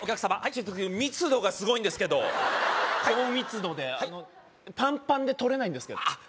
ちょっと密度がすごいんですけど高密度でパンパンで取れないんですけどあっ